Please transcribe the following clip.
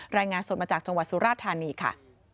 รายงานสดมาจากจังหวัดสุราธานีค่ะ